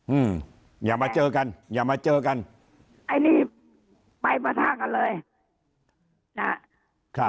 อืมอย่ามาเจอกันอย่ามาเจอกันไอ้นี่ไปประทะกันเลยจ้ะครับ